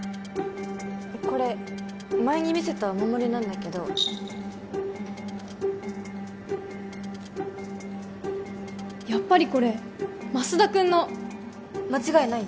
これ前に見せたお守りなんだけどやっぱりこれマスダ君の間違いない？